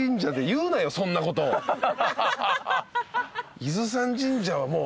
伊豆山神社はもう。